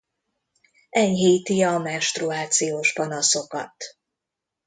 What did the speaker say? Enyhíti a menstruációs panaszokat.